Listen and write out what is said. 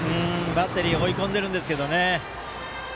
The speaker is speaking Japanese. バッテリー追い込んでるんですけどね。